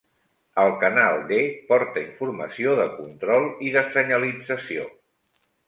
El canal D porta informació de control i de senyalització.